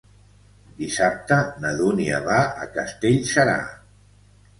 Dissabte na Dúnia va a Castellserà.